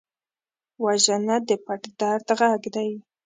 وژنه د پټ درد غږ دی